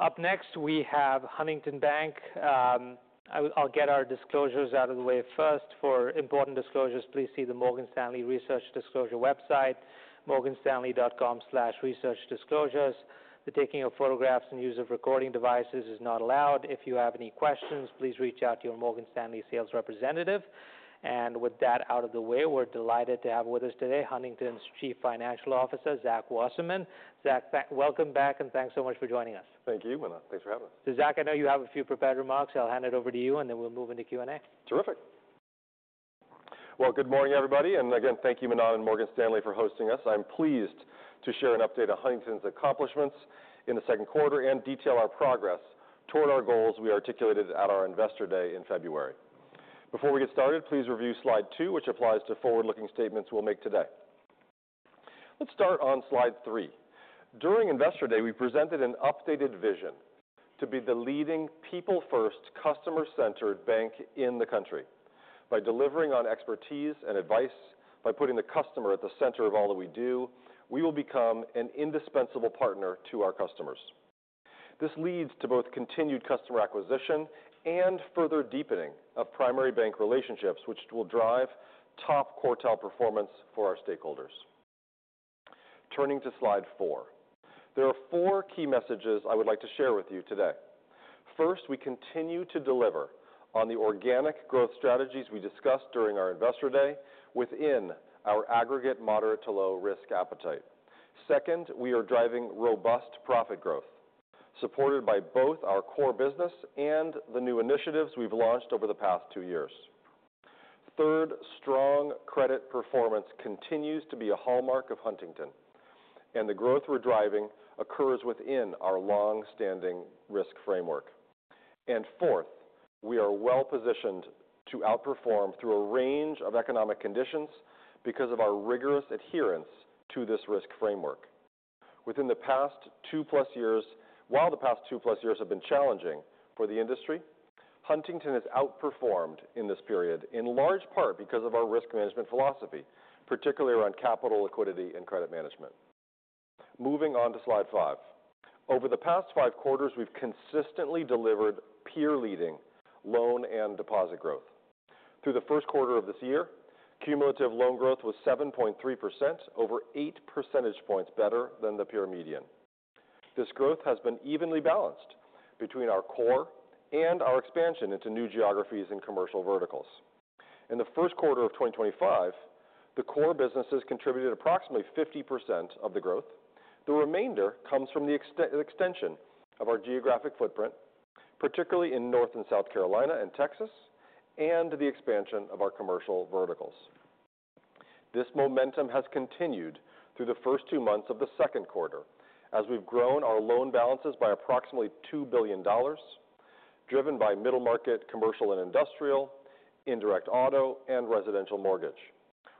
Up next, we have Huntington Bank. I will get our disclosures out of the way first. For important disclosures, please see the Morgan Stanley Research Disclosure website, morganstanley.com/researchdisclosures. The taking of photographs and use of recording devices is not allowed. If you have any questions, please reach out to your Morgan Stanley sales representative. With that out of the way, we're delighted to have with us today Huntington's Chief Financial Officer, Zach Wasserman. Zach, thank you—welcome back, and thanks so much for joining us. Thank you, Manon. Thanks for having us. Zach, I know you have a few prepared remarks. I'll hand it over to you, and then we'll move into Q&A. Terrific. Good morning, everybody. Again, thank you, Manon, Morgan Stanley, for hosting us. I'm pleased to share an update on Huntington's accomplishments in the second quarter and detail our progress toward our goals we articulated at our Investor Day in February. Before we get started, please review slide two, which applies to forward-looking statements we'll make today. Let's start on slide three. During Investor Day, we presented an updated vision to be the leading people-first, customer-centered bank in the country. By delivering on expertise and advice, by putting the customer at the center of all that we do, we will become an indispensable partner to our customers. This leads to both continued customer acquisition and further deepening of primary bank relationships, which will drive top quartile performance for our stakeholders. Turning to slide four, there are four key messages I would like to share with you today. First, we continue to deliver on the organic growth strategies we discussed during our Investor Day within our aggregate moderate-to-low risk appetite. Second, we are driving robust profit growth, supported by both our core business and the new initiatives we've launched over the past two years. Third, strong credit performance continues to be a hallmark of Huntington, and the growth we're driving occurs within our long-standing risk framework. Fourth, we are well-positioned to outperform through a range of economic conditions because of our rigorous adherence to this risk framework. Within the past two-plus years, while the past two-plus years have been challenging for the industry, Huntington has outperformed in this period, in large part because of our risk management philosophy, particularly around capital, liquidity, and credit management. Moving on to slide five, over the past five quarters, we've consistently delivered peer-leading loan and deposit growth. Through the first quarter of this year, cumulative loan growth was 7.3%, over 8% points better than the peer median. This growth has been evenly balanced between our core and our expansion into new geographies and commercial verticals. In the first quarter of 2025, the core businesses contributed approximately 50% of the growth. The remainder comes from the extension of our geographic footprint, particularly in North Carolina, South Carolina, and Texas, and the expansion of our commercial verticals. This momentum has continued through the first two months of the second quarter, as we've grown our loan balances by approximately $2 billion, driven by middle-market commercial and industrial, indirect auto, and residential mortgage.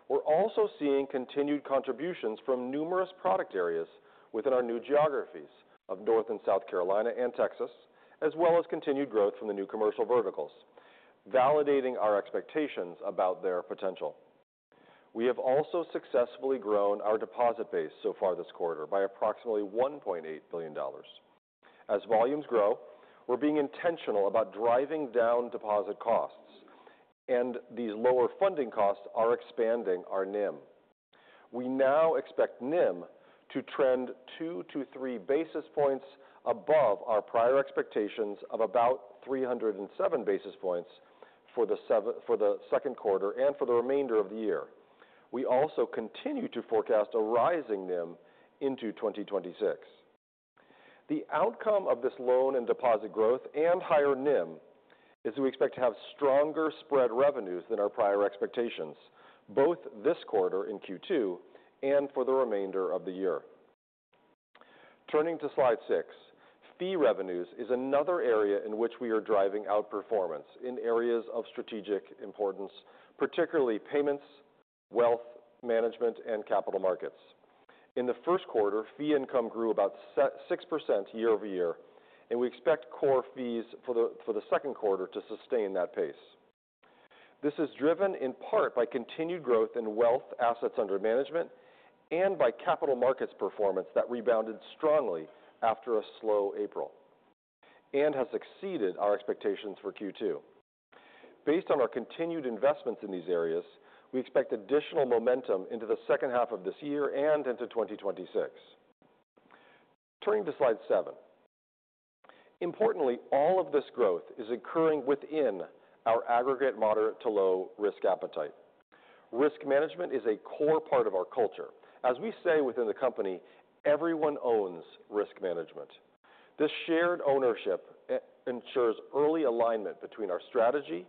We're also seeing continued contributions from numerous product areas within our new geographies of North Carolina, South Carolina, and Texas, as well as continued growth from the new commercial verticals, validating our expectations about their potential. We have also successfully grown our deposit base so far this quarter by approximately $1.8 billion. As volumes grow, we're being intentional about driving down deposit costs, and these lower funding costs are expanding our NIM. We now expect NIM to trend two to three basis points above our prior expectations of about 307 basis points for the second quarter and for the remainder of the year. We also continue to forecast a rising NIM into 2026. The outcome of this loan and deposit growth and higher NIM is that we expect to have stronger spread revenues than our prior expectations, both this quarter in Q2 and for the remainder of the year. Turning to slide six, fee revenues is another area in which we are driving outperformance in areas of strategic importance, particularly payments, wealth management, and capital markets. In the first quarter, fee income grew about 6% year-over-year, and we expect core fees for the second quarter to sustain that pace. This is driven in part by continued growth in wealth assets under management and by capital markets performance that rebounded strongly after a slow April and has exceeded our expectations for Q2. Based on our continued investments in these areas, we expect additional momentum into the second half of this year and into 2026. Turning to slide seven, importantly, all of this growth is occurring within our aggregate moderate-to-low risk appetite. Risk management is a core part of our culture. As we say within the company, everyone owns risk management. This shared ownership ensures early alignment between our strategy,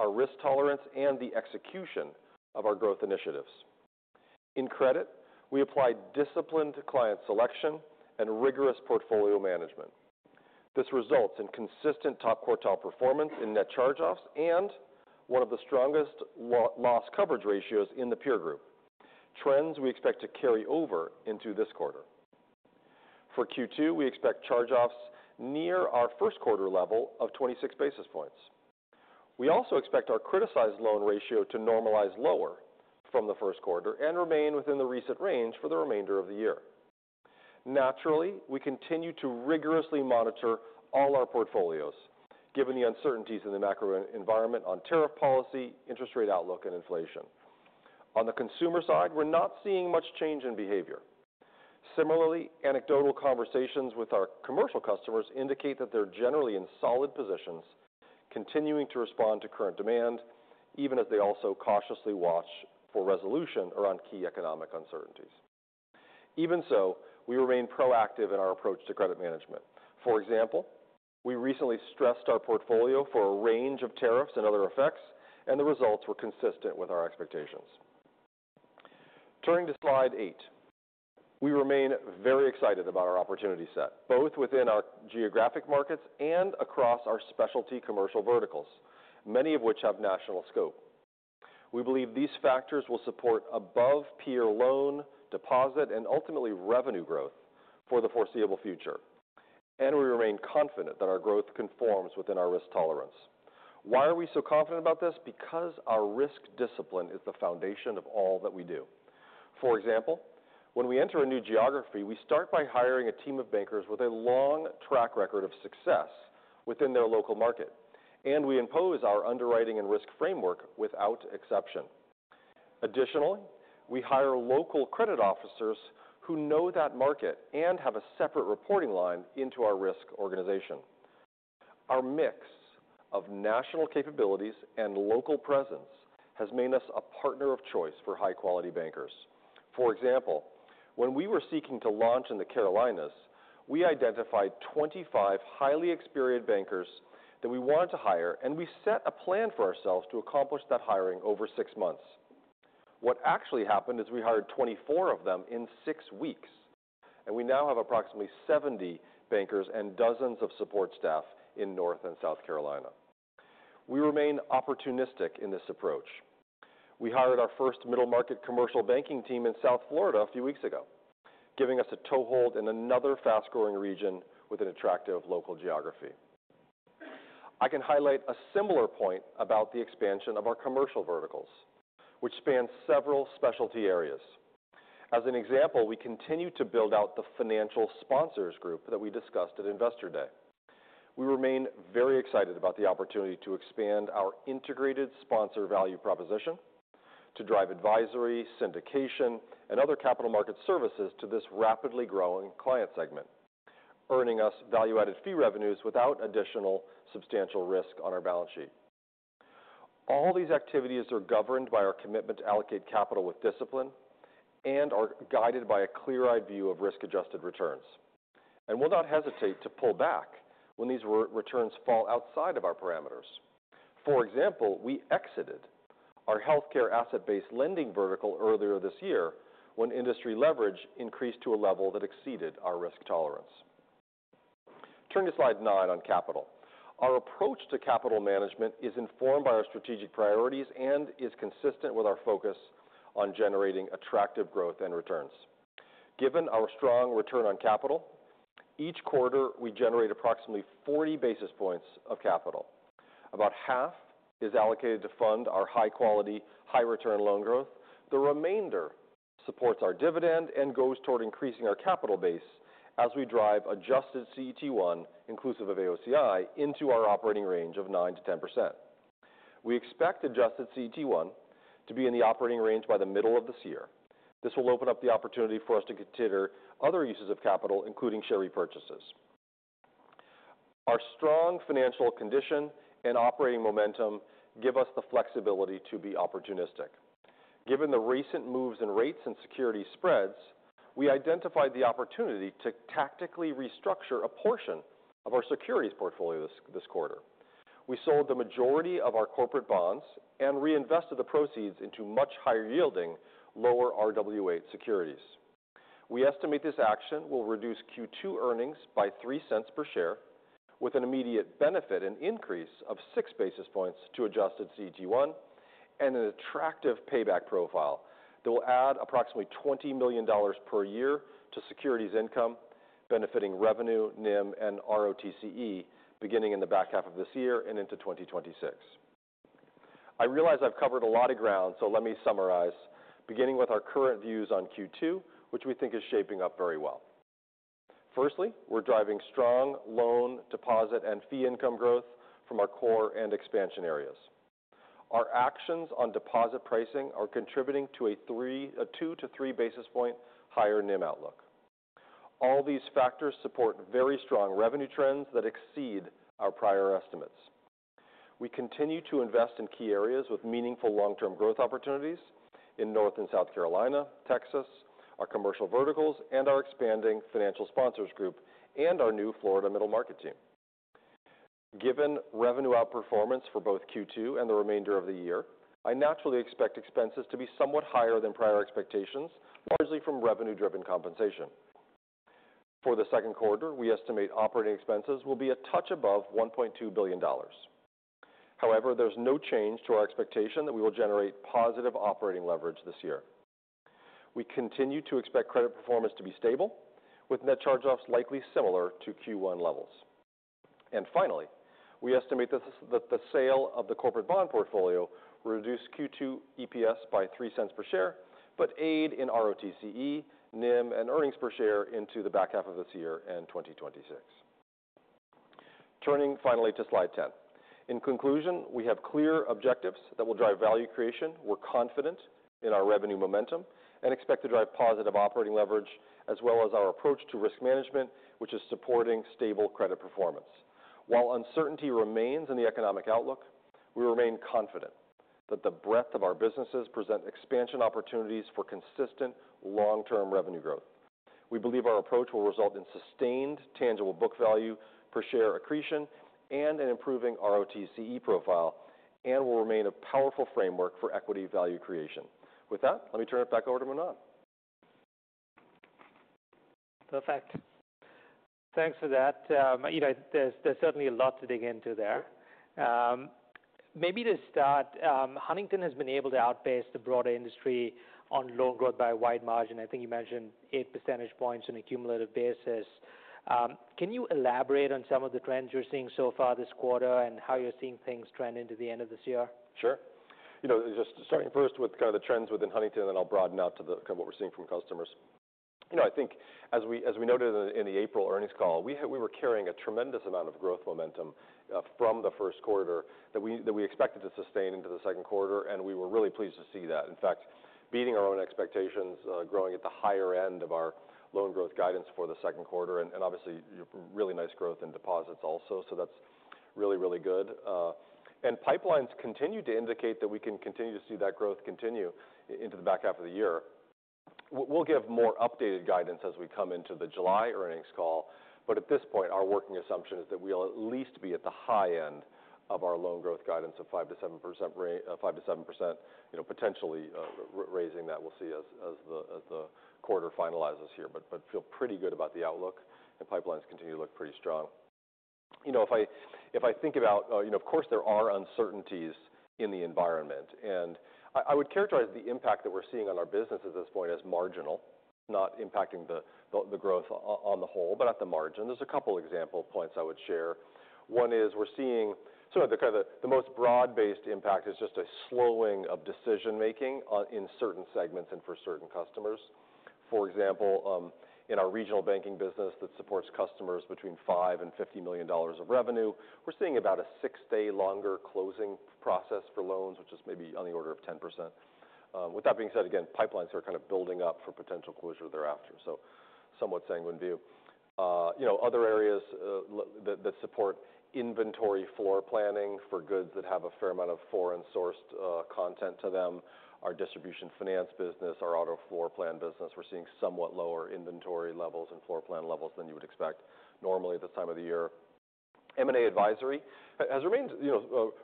our risk tolerance, and the execution of our growth initiatives. In credit, we apply disciplined client selection and rigorous portfolio management. This results in consistent top quartile performance in net charge-offs and one of the strongest loss coverage ratios in the peer group, trends we expect to carry over into this quarter. For Q2, we expect charge-offs near our first quarter level of 26 basis points. We also expect our criticized loan ratio to normalize lower from the first quarter and remain within the recent range for the remainder of the year. Naturally, we continue to rigorously monitor all our portfolios, given the uncertainties in the macro environment on tariff policy, interest rate outlook, and inflation. On the consumer side, we're not seeing much change in behavior. Similarly, anecdotal conversations with our commercial customers indicate that they're generally in solid positions, continuing to respond to current demand, even as they also cautiously watch for resolution around key economic uncertainties. Even so, we remain proactive in our approach to credit management. For example, we recently stressed our portfolio for a range of tariffs and other effects, and the results were consistent with our expectations. Turning to slide eight, we remain very excited about our opportunity set, both within our geographic markets and across our specialty commercial verticals, many of which have national scope. We believe these factors will support above-peer loan, deposit, and ultimately revenue growth for the foreseeable future, and we remain confident that our growth conforms within our risk tolerance. Why are we so confident about this? Because our risk discipline is the foundation of all that we do. For example, when we enter a new geography, we start by hiring a team of bankers with a long track record of success within their local market, and we impose our underwriting and risk framework without exception. Additionally, we hire local credit officers who know that market and have a separate reporting line into our risk organization. Our mix of national capabilities and local presence has made us a partner of choice for high-quality bankers. For example, when we were seeking to launch in the Carolinas, we identified 25 highly experienced bankers that we wanted to hire, and we set a plan for ourselves to accomplish that hiring over six months. What actually happened is we hired 24 of them in six weeks, and we now have approximately 70 bankers and dozens of support staff in North and South Carolina. We remain opportunistic in this approach. We hired our first middle-market commercial banking team in South Florida a few weeks ago, giving us a toehold in another fast-growing region with an attractive local geography. I can highlight a similar point about the expansion of our commercial verticals, which spans several specialty areas. As an example, we continue to build out the financial sponsors group that we discussed at Investor Day. We remain very excited about the opportunity to expand our integrated sponsor value proposition to drive advisory, syndication, and other capital markets services to this rapidly growing client segment, earning us value-added fee revenues without additional substantial risk on our balance sheet. All these activities are governed by our commitment to allocate capital with discipline and are guided by a clear-eyed view of risk-adjusted returns, and we'll not hesitate to pull back when these returns fall outside of our parameters. For example, we exited our healthcare asset-based lending vertical earlier this year when industry leverage increased to a level that exceeded our risk tolerance. Turning to slide nine on capital, our approach to capital management is informed by our strategic priorities and is consistent with our focus on generating attractive growth and returns. Given our strong return on capital, each quarter we generate approximately 40 basis points of capital. About half is allocated to fund our high-quality, high-return loan growth. The remainder supports our dividend and goes toward increasing our capital base as we drive adjusted CET1, inclusive of AOCI, into our operating range of 9%-10%. We expect adjusted CET1 to be in the operating range by the middle of this year. This will open up the opportunity for us to consider other uses of capital, including share repurchases. Our strong financial condition and operating momentum give us the flexibility to be opportunistic. Given the recent moves in rates and securities spreads, we identified the opportunity to tactically restructure a portion of our securities portfolio this quarter. We sold the majority of our corporate bonds and reinvested the proceeds into much higher-yielding, lower RWA securities. We estimate this action will reduce Q2 earnings by $0.03 per share, with an immediate benefit and increase of 6 basis points to adjusted CET1 and an attractive payback profile that will add approximately $20 million per year to securities income, benefiting revenue, NIM, and ROTCE beginning in the back half of this year and into 2026. I realize I've covered a lot of ground, so let me summarize, beginning with our current views on Q2, which we think is shaping up very well. Firstly, we're driving strong loan, deposit, and fee income growth from our core and expansion areas. Our actions on deposit pricing are contributing to a 2-3 basis point higher NIM outlook. All these factors support very strong revenue trends that exceed our prior estimates. We continue to invest in key areas with meaningful long-term growth opportunities in North and South Carolina, Texas, our commercial verticals, and our expanding financial sponsors group and our new Florida middle-market team. Given revenue outperformance for both Q2 and the remainder of the year, I naturally expect expenses to be somewhat higher than prior expectations, largely from revenue-driven compensation. For the second quarter, we estimate operating expenses will be a touch above $1.2 billion. However, there's no change to our expectation that we will generate positive operating leverage this year. We continue to expect credit performance to be stable, with net charge-offs likely similar to Q1 levels. Finally, we estimate that the sale of the corporate bond portfolio will reduce Q2 EPS by $0.03 per share but aid in ROTCE, NIM, and earnings per share into the back half of this year and 2026. Turning finally to slide 10, in conclusion, we have clear objectives that will drive value creation. We are confident in our revenue momentum and expect to drive positive operating leverage, as well as our approach to risk management, which is supporting stable credit performance. While uncertainty remains in the economic outlook, we remain confident that the breadth of our businesses presents expansion opportunities for consistent long-term revenue growth. We believe our approach will result in sustained tangible book value per share accretion and an improving ROTCE profile and will remain a powerful framework for equity value creation. With that, let me turn it back over to Manon. Perfect. Thanks for that. There's certainly a lot to dig into there. Maybe to start, Huntington has been able to outpace the broader industry on loan growth by a wide margin. I think you mentioned 8% points on a cumulative basis. Can you elaborate on some of the trends you're seeing so far this quarter and how you're seeing things trend into the end of this year? Sure. Just starting first with kind of the trends within Huntington, then I'll broaden out to kind of what we're seeing from customers. I think as we noted in the April earnings call, we were carrying a tremendous amount of growth momentum from the first quarter that we expected to sustain into the second quarter, and we were really pleased to see that. In fact, beating our own expectations, growing at the higher end of our loan growth guidance for the second quarter, and obviously really nice growth in deposits also, so that's really, really good. Pipelines continue to indicate that we can continue to see that growth continue into the back half of the year. We'll give more updated guidance as we come into the July earnings call, but at this point, our working assumption is that we'll at least be at the high end of our loan growth guidance of 5%-7%, 5%-7%, potentially raising that we'll see as the quarter finalizes here, but feel pretty good about the outlook, and pipelines continue to look pretty strong. If I think about, of course there are uncertainties in the environment, and I would characterize the impact that we're seeing on our business at this point as marginal, not impacting the growth on the whole, but at the margin. There's a couple of example points I would share. One is we're seeing sort of the kind of the most broad-based impact is just a slowing of decision-making in certain segments and for certain customers. For example, in our regional banking business that supports customers between $5 million and $50 million of revenue, we're seeing about a six-day longer closing process for loans, which is maybe on the order of 10%. With that being said, again, pipelines are kind of building up for potential closure thereafter, so somewhat sanguine view. Other areas that support inventory floor planning for goods that have a fair amount of foreign-sourced content to them are distribution finance business, our auto floor plan business. We're seeing somewhat lower inventory levels and floor plan levels than you would expect normally at this time of the year. M&A advisory has remained,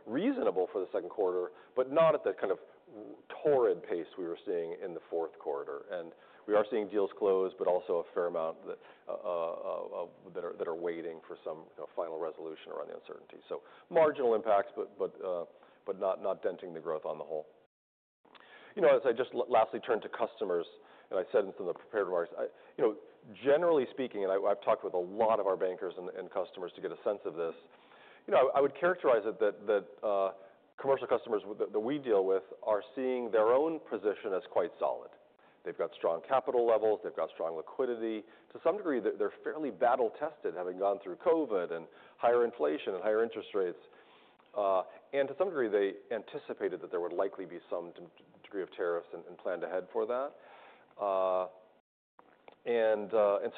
reasonable for the second quarter, but not at the kind of torrid pace we were seeing in the fourth quarter, and we are seeing deals close, but also a fair amount that are waiting for some final resolution around the uncertainty. Marginal impacts, but not denting the growth on the whole. As I just lastly turned to customers and I said in some of the prepared remarks, generally speaking, and I've talked with a lot of our bankers and customers to get a sense of this, I would characterize it that commercial customers that we deal with are seeing their own position as quite solid. They've got strong capital levels, they've got strong liquidity. To some degree, they're fairly battle-tested, having gone through COVID and higher inflation and higher interest rates, and to some degree, they anticipated that there would likely be some degree of tariffs and planned ahead for that.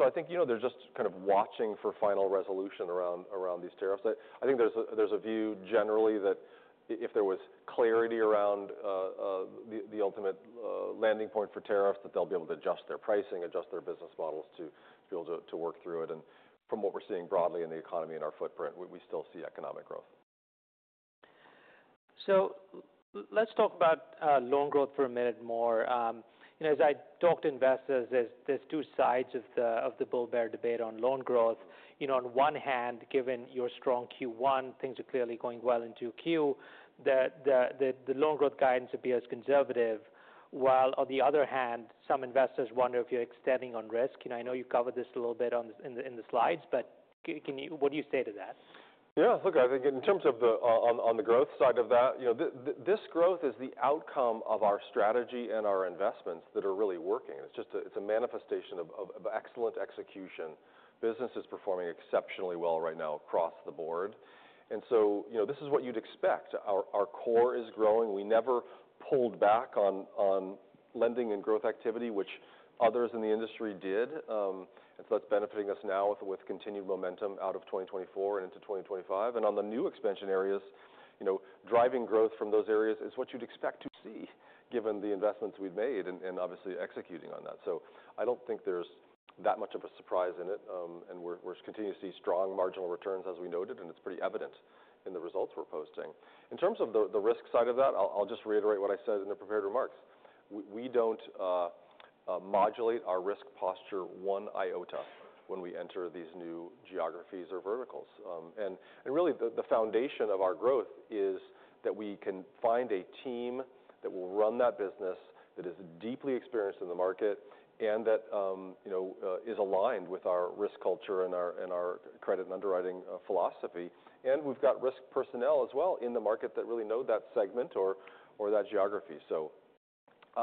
I think, they're just kind of watching for final resolution around these tariffs. I think there's a view generally that if there was clarity around the ultimate landing point for tariffs, that they'll be able to adjust their pricing, adjust their business models to be able to work through it. From what we're seeing broadly in the economy and our footprint, we still see economic growth. Let's talk about loan growth for a minute more. As I talk to investors, there's two sides of the bull-bear debate on loan growth. On one hand, given your strong Q1, things are clearly going well in Q2. The loan growth guidance appears conservative, while on the other hand, some investors wonder if you're extending on risk. I know you covered this a little bit in the slides, but what do you say to that? Yeah, look, I think in terms of the on the growth side of that, this growth is the outcome of our strategy and our investments that are really working. It's just a manifestation of excellent execution. Business is performing exceptionally well right now across the board. This is what you'd expect. Our core is growing. We never pulled back on lending and growth activity, which others in the industry did. That's benefiting us now with continued momentum out of 2024 and into 2025. On the new expansion areas, driving growth from those areas is what you'd expect to see given the investments we've made and obviously executing on that. I don't think there's that much of a surprise in it, and we're continuing to see strong marginal returns as we noted, and it's pretty evident in the results we're posting. In terms of the risk side of that, I'll just reiterate what I said in the prepared remarks. We don't modulate our risk posture one iota when we enter these new geographies or verticals. Really, the foundation of our growth is that we can find a team that will run that business that is deeply experienced in the market and that, is aligned with our risk culture and our credit and underwriting philosophy. We've got risk personnel as well in the market that really know that segment or that geography.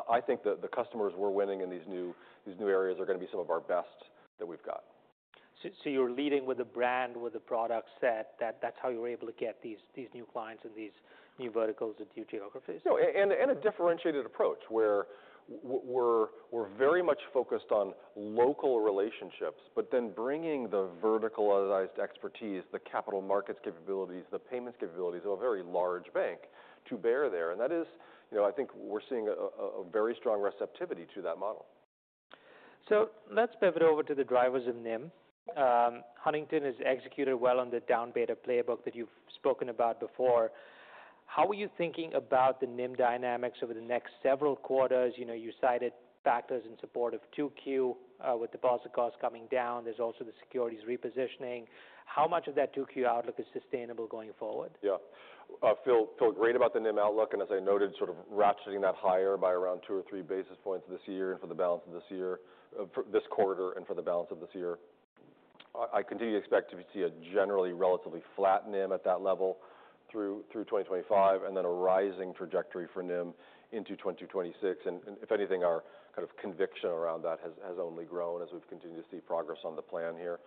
I think the customers we're winning in these new areas are going to be some of our best that we've got. You're leading with the brand, with the product set. That's how you're able to get these new clients and these new verticals and new geographies? In a differentiated approach where we're very much focused on local relationships, but then bringing the verticalized expertise, the capital markets capabilities, the payments capabilities of a very large bank to bear there. That is, I think we're seeing a very strong receptivity to that model. Let's pivot over to the drivers of NIM. Huntington has executed well on the Dow Beta playbook that you've spoken about before. How are you thinking about the NIM dynamics over the next several quarters? You cited factors in support of 2Q with deposit costs coming down. There's also the securities repositioning. How much of that 2Q outlook is sustainable going forward? Yeah, I feel great about the NIM outlook, and as I noted, sort of ratcheting that higher by around two or three basis points this year and for the balance of this year, this quarter and for the balance of this year. I continue to expect to see a generally relatively flat NIM at that level through 2025 and then a rising trajectory for NIM into 2026. If anything, our kind of conviction around that has only grown as we've continued to see progress on the plan here.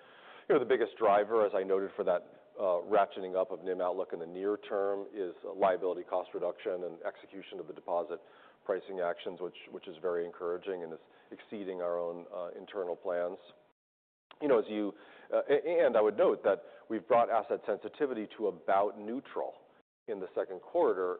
The biggest driver, as I noted, for that ratcheting up of NIM outlook in the near term is liability cost reduction and execution of the deposit pricing actions, which is very encouraging and is exceeding our own internal plans. As you and I would note that we've brought asset sensitivity to about neutral in the second quarter.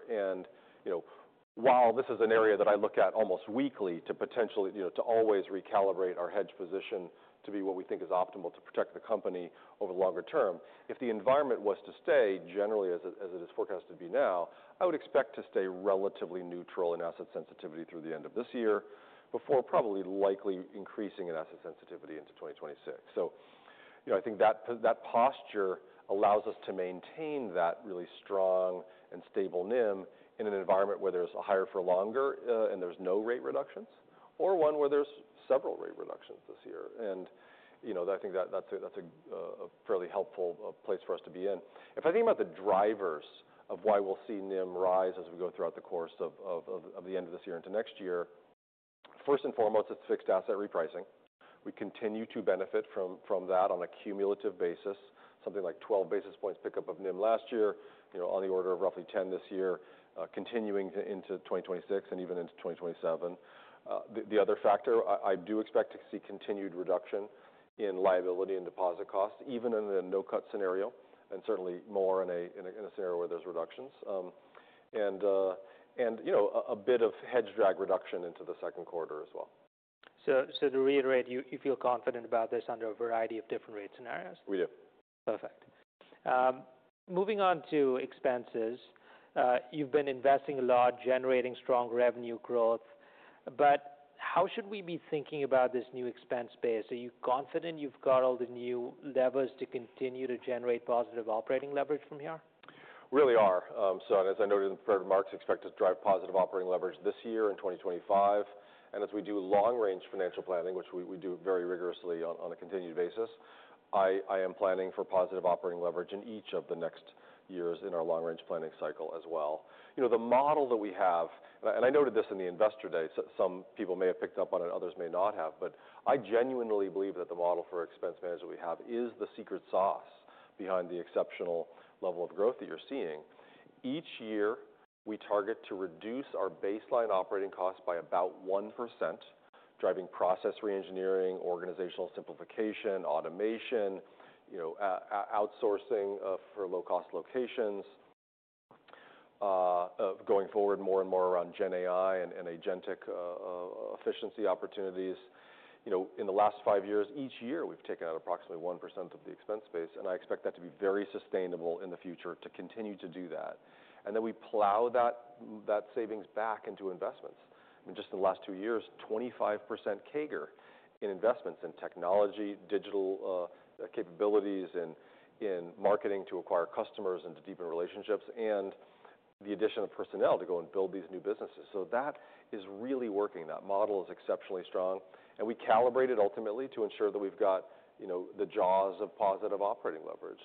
While this is an area that I look at almost weekly to potentially, to always recalibrate our hedge position to be what we think is optimal to protect the company over the longer term, if the environment was to stay generally as it is forecast to be now, I would expect to stay relatively neutral in asset sensitivity through the end of this year before probably likely increasing in asset sensitivity into 2026. I think that posture allows us to maintain that really strong and stable NIM in an environment where there is a higher for longer and there is no rate reductions or one where there is several rate reductions this year. I think that is a fairly helpful place for us to be in. If I think about the drivers of why we'll see NIM rise as we go throughout the course of the end of this year into next year, first and foremost, it's fixed asset repricing. We continue to benefit from that on a cumulative basis, something like 12 basis points pickup of NIM last year, on the order of roughly 10 this year, continuing into 2026 and even into 2027. The other factor, I do expect to see continued reduction in liability and deposit costs, even in a no-cut scenario, and certainly more in a scenario where there's reductions. A bit of hedge drag reduction into the second quarter as well. To reiterate, you feel confident about this under a variety of different rate scenarios? Yep. Perfect. Moving on to expenses, you've been investing a lot, generating strong revenue growth, but how should we be thinking about this new expense base? Are you confident you've got all the new levers to continue to generate positive operating leverage from here? Really are. As I noted in the prepared remarks, expect to drive positive operating leverage this year and 2025. As we do long-range financial planning, which we do very rigorously on a continued basis, I am planning for positive operating leverage in each of the next years in our long-range planning cycle as well. The model that we have, and I noted this in the investor day, some people may have picked up on it, others may not have, but I genuinely believe that the model for expense management we have is the secret sauce behind the exceptional level of growth that you're seeing. Each year, we target to reduce our baseline operating costs by about 1%, driving process re-engineering, organizational simplification, automation, outsourcing for low-cost locations, going forward more and more around GenAI and agentic efficiency opportunities. In the last five years, each year we've taken out approximately 1% of the expense base, and I expect that to be very sustainable in the future to continue to do that. I mean, just in the last two years, 25% CAGR in investments in technology, digital capabilities, and in marketing to acquire customers and to deepen relationships, and the addition of personnel to go and build these new businesses. That is really working. That model is exceptionally strong, and we calibrate it ultimately to ensure that we've got, the jaws of positive operating leverage.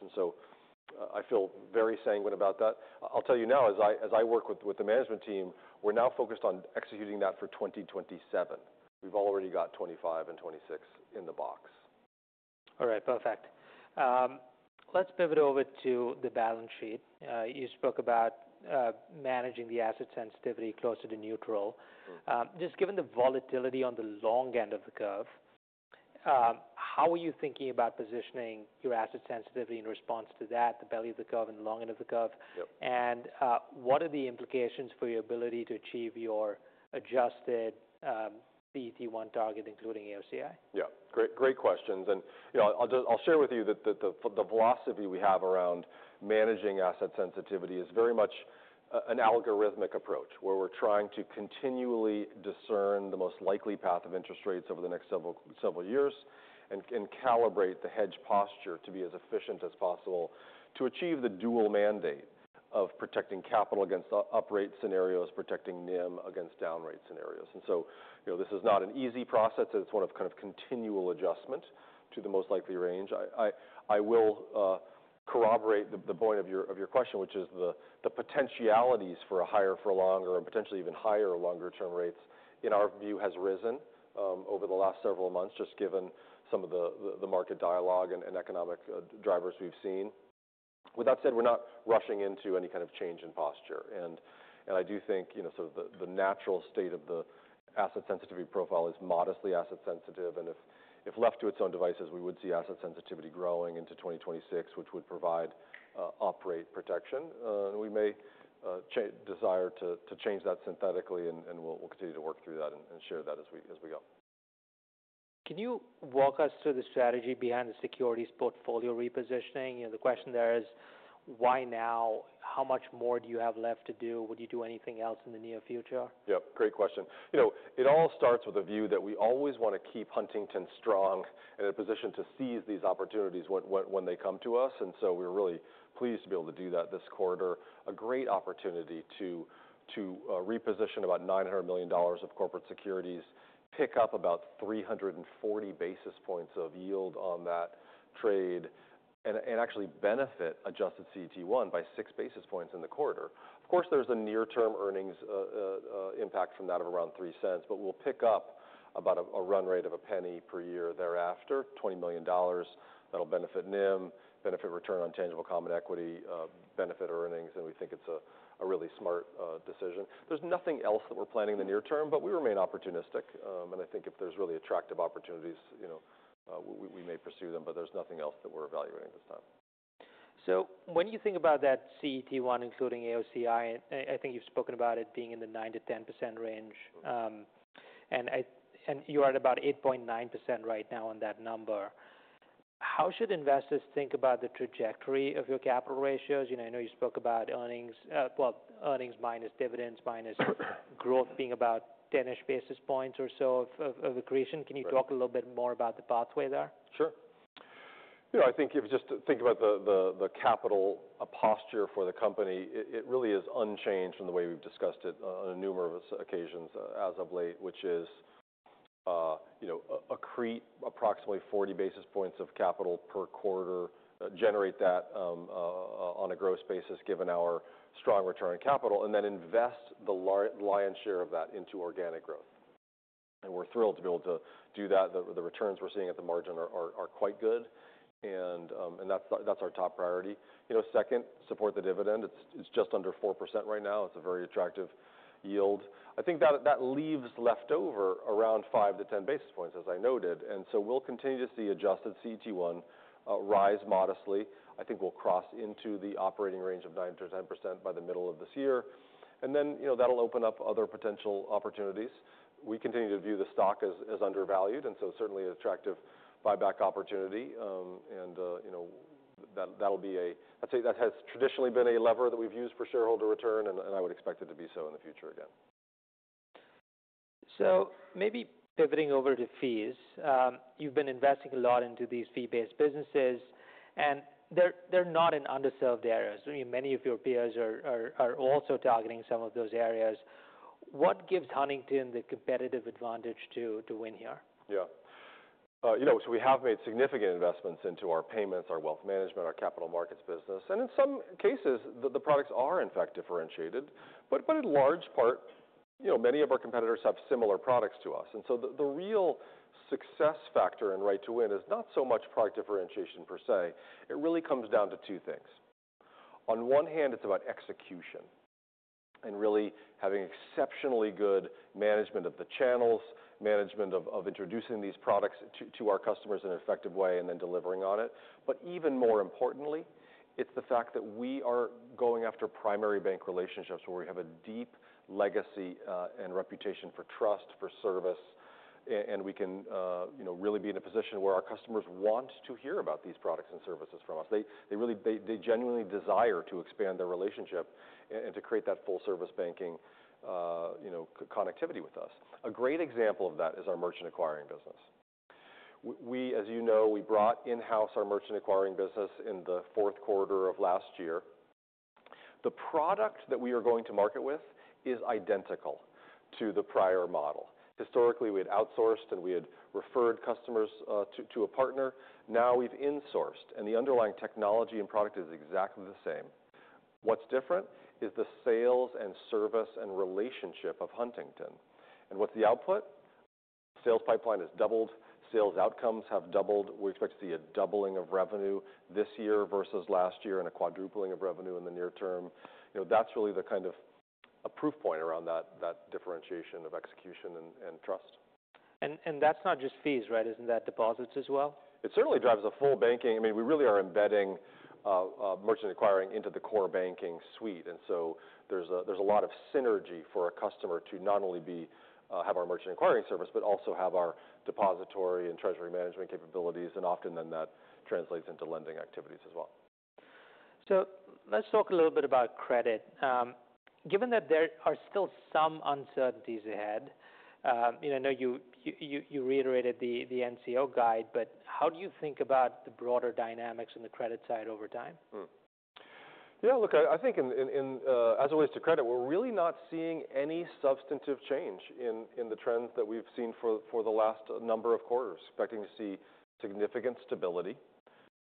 I feel very sanguine about that. I'll tell you now, as I work with the management team, we're now focused on executing that for 2027. We've already got 2025 and 2026 in the box. All right, perfect. Let's pivot over to the balance sheet. You spoke about managing the asset sensitivity closer to neutral. Just given the volatility on the long end of the curve, how are you thinking about positioning your asset sensitivity in response to that, the belly of the curve and the long end of the curve? And what are the implications for your ability to achieve your adjusted CET1 target, including AOCI? Yeah, great questions. I'll share with you that the velocity we have around managing asset sensitivity is very much an algorithmic approach where we're trying to continually discern the most likely path of interest rates over the next several years and calibrate the hedge posture to be as efficient as possible to achieve the dual mandate of protecting capital against uprate scenarios, protecting NIM against downrate scenarios. This is not an easy process. It's one of kind of continual adjustment to the most likely range. I will corroborate the point of your question, which is the potentialities for a higher for longer and potentially even higher longer-term rates in our view has risen over the last several months, just given some of the market dialogue and economic drivers we've seen. With that said, we're not rushing into any kind of change in posture. I do think, sort of the natural state of the asset sensitivity profile is modestly asset sensitive. If left to its own devices, we would see asset sensitivity growing into 2026, which would provide uprate protection. We may desire to change that synthetically, and we'll continue to work through that and share that as we go. Can you walk us through the strategy behind the securities portfolio repositioning? The question there is, why now? How much more do you have left to do? Would you do anything else in the near future? Yeah, great question. It all starts with a view that we always want to keep Huntington strong and in a position to seize these opportunities when they come to us. We are really pleased to be able to do that this quarter. A great opportunity to reposition about $900 million of corporate securities, pick up about 340 basis points of yield on that trade, and actually benefit adjusted CET1 by six basis points in the quarter. Of course, there is a near-term earnings impact from that of around $0.03, but we will pick up about a run rate of a penny per year thereafter, $20 million that will benefit NIM, benefit return on tangible common equity, benefit earnings, and we think it is a really smart decision. There is nothing else that we are planning in the near term, but we remain opportunistic. I think if there are really attractive opportunities, we may pursue them, but there is nothing else that we are evaluating at this time. When you think about that CET1, including AOCI, I think you have spoken about it being in the 9%-10% range. You are at about 8.9% right now on that number. How should investors think about the trajectory of your capital ratios? I know you spoke about earnings, earnings minus dividends minus growth being about 10-ish basis points or so of accretion. Can you talk a little bit more about the pathway there? Sure. I think if you just think about the capital posture for the company, it really is unchanged from the way we have discussed it on numerous occasions as of late, which is, accrete approximately 40 basis points of capital per quarter, generate that on a gross basis given our strong return on capital, and then invest the lion's share of that into organic growth. We are thrilled to be able to do that. The returns we are seeing at the margin are quite good. That is our top priority. Second, support the dividend. It's just under 4% right now. It's a very attractive yield. I think that leaves leftover around 5 to 10 basis points, as I noted. We'll continue to see adjusted CET1 rise modestly. I think we'll cross into the operating range of 9-10% by the middle of this year. That'll open up other potential opportunities. We continue to view the stock as undervalued, and certainly an attractive buyback opportunity. That has traditionally been a lever that we've used for shareholder return, and I would expect it to be so in the future again. Maybe pivoting over to fees, you've been investing a lot into these fee-based businesses, and they're not in underserved areas. Many of your peers are also targeting some of those areas. What gives Huntington the competitive advantage to win here? Yeah. We have made significant investments into our payments, our wealth management, our capital markets business. In some cases, the products are in fact differentiated. In large part, many of our competitors have similar products to us. The real success factor in Right to Win is not so much product differentiation per se. It really comes down to two things. On one hand, it is about execution and really having exceptionally good management of the channels, management of introducing these products to our customers in an effective way and then delivering on it. Even more importantly, it's the fact that we are going after primary bank relationships where we have a deep legacy and reputation for trust, for service, and we can really be in a position where our customers want to hear about these products and services from us. They really, they genuinely desire to expand their relationship and to create that full-service banking, connectivity with us. A great example of that is our merchant acquiring business. As we brought in-house our merchant acquiring business in the fourth quarter of last year. The product that we are going to market with is identical to the prior model. Historically, we had outsourced and we had referred customers to a partner. Now we've insourced, and the underlying technology and product is exactly the same. What's different is the sales and service and relationship of Huntington. What's the output? Sales pipeline has doubled, sales outcomes have doubled. We expect to see a doubling of revenue this year versus last year and a quadrupling of revenue in the near term. That's really the kind of a proof point around that differentiation of execution and trust. That's not just fees, right? Isn't that deposits as well? It certainly drives a full banking. I mean, we really are embedding merchant acquiring into the core banking suite. There is a lot of synergy for a customer to not only have our merchant acquiring service, but also have our depository and treasury management capabilities. Often then that translates into lending activities as well. Let's talk a little bit about credit. Given that there are still some uncertainties ahead, I know you reiterated the NCO guide, but how do you think about the broader dynamics on the credit side over time? Yeah, look, I think in, as it relates to credit, we're really not seeing any substantive change in the trends that we've seen for the last number of quarters. Expecting to see significant stability.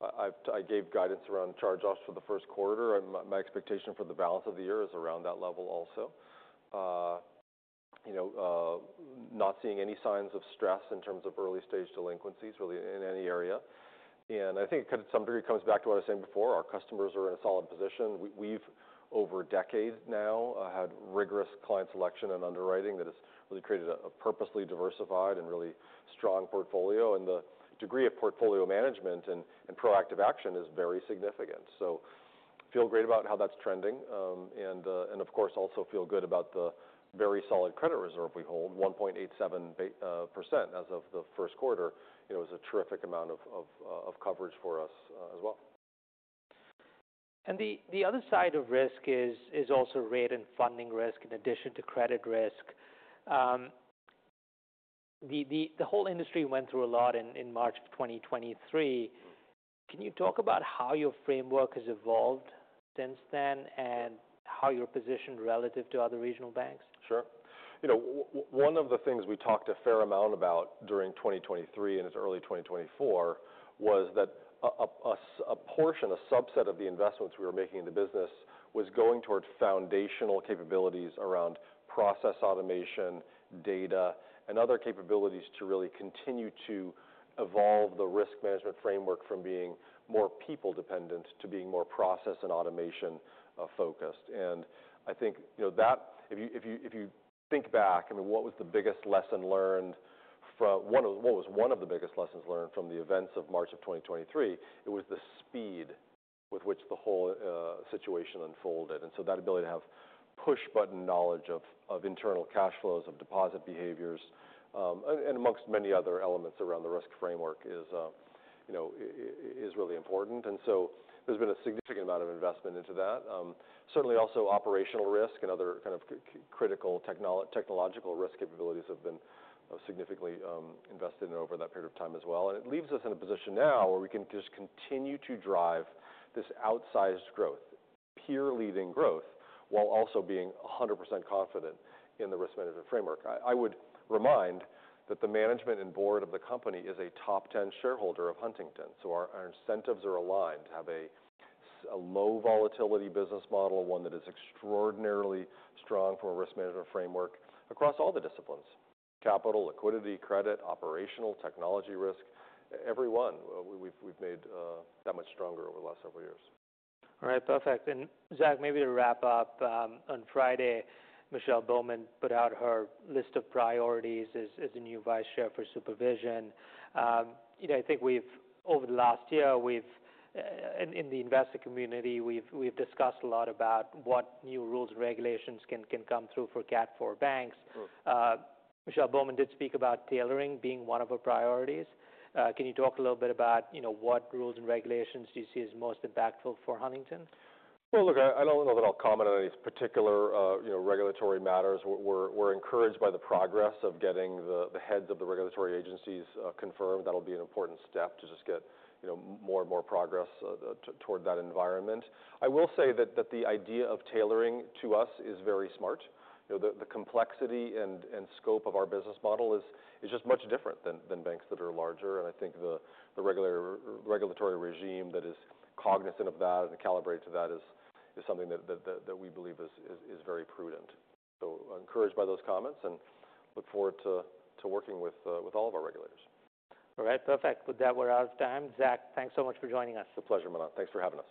I gave guidance around charge-offs for the first quarter, and my expectation for the balance of the year is around that level also. Not seeing any signs of stress in terms of early-stage delinquencies really in any area. I think it kind of to some degree comes back to what I was saying before. Our customers are in a solid position. We've over a decade now had rigorous client selection and underwriting that has really created a purposely diversified and really strong portfolio. The degree of portfolio management and proactive action is very significant. I feel great about how that's trending. I also feel good about the very solid credit reserve we hold, 1.87% as of the first quarter. It was a terrific amount of coverage for us as well. The other side of risk is also rate and funding risk in addition to credit risk. The whole industry went through a lot in March of 2023. Can you talk about how your framework has evolved since then and how you're positioned relative to other regional banks? Sure. One of the things we talked a fair amount about during 2023 and into early 2024 was that a portion, a subset of the investments we were making in the business was going towards foundational capabilities around process automation, data, and other capabilities to really continue to evolve the risk management framework from being more people-dependent to being more process and automation-focused. I think that if you think back, I mean, what was the biggest lesson learned from, what was one of the biggest lessons learned from the events of March of 2023? It was the speed with which the whole situation unfolded. That ability to have push-button knowledge of internal cash flows, of deposit behaviors, and amongst many other elements around the risk framework is really important. There has been a significant amount of investment into that. Certainly also operational risk and other kind of critical technological risk capabilities have been significantly invested in over that period of time as well. It leaves us in a position now where we can just continue to drive this outsized growth, peer-leading growth, while also being 100% confident in the risk management framework. I would remind that the management and board of the company is a top 10 shareholder of Huntington. Our incentives are aligned to have a low-volatility business model, one that is extraordinarily strong from a risk management framework across all the disciplines: capital, liquidity, credit, operational, technology risk, everyone. We have made that much stronger over the last several years. All right, perfect. Zach, maybe to wrap up, on Friday, Michelle Bowman put out her list of priorities as a new Vice Chair for Supervision. I think we've, over the last year, we've, in the investor community, we've discussed a lot about what new rules and regulations can come through for CAT4 banks. Michelle Bowman did speak about tailoring being one of her priorities. Can you talk a little bit about what rules and regulations do you see as most impactful for Huntington? I don't know that I'll comment on any particular regulatory matters. We're encouraged by the progress of getting the heads of the regulatory agencies confirmed. That'll be an important step to just get more and more progress toward that environment. I will say that the idea of tailoring to us is very smart. The complexity and scope of our business model is just much different than banks that are larger. I think the regulatory regime that is cognizant of that and calibrated to that is something that we believe is very prudent. Encouraged by those comments and look forward to working with all of our regulators. All right, perfect. With that, we're out of time. Zach, thanks so much for joining us. It's a pleasure, Manon. Thanks for having me.